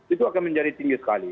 itu akan menjadi tinggi sekali